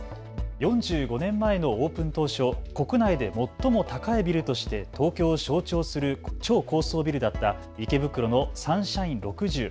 ４５年前のオープン当初、国内で最も高いビルとして東京を象徴する超高層ビルだった池袋のサンシャイン６０。